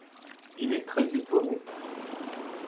Il est très étonné.